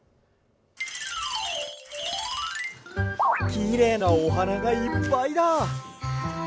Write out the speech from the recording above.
きれいなおはながいっぱいだ。